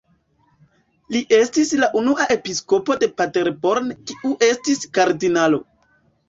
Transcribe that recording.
Li estis la unua episkopo de Paderborn kiu ekestis kardinalo.